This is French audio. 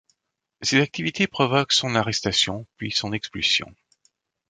Ses activités provoquent son arrestation puis son expulsion.